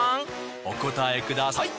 お答えください！